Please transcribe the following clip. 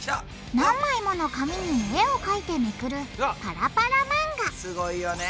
何枚もの紙に絵をかいてめくるパラパラ漫画すごいよね。